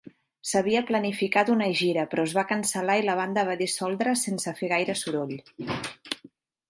S'havia planificat una gira, però es va cancel·lar i la banda va dissoldre's sense fer gaire soroll.